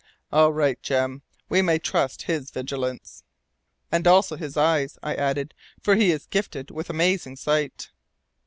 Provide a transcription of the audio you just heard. "All right, Jem; we may trust his vigilance." "And also his eyes," I added, "for he is gifted with amazing sight."